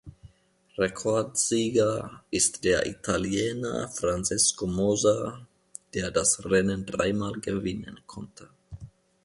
Rekordsieger ist der Italiener Francesco Moser, der das Rennen dreimal gewinnen konnte.